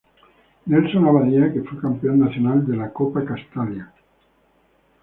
Nelson Abadía que fue campeón Nacional de la copa castalia.